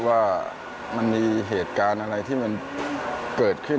ว่ามันมีเหตุการณ์อะไรที่มันเกิดขึ้น